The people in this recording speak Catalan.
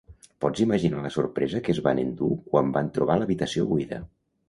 Pots imaginar la sorpresa que es van endur quan van trobar l'habitació buida.